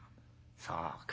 「そうか。